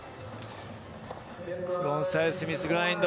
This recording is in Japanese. フロントサイドスミスグラインド。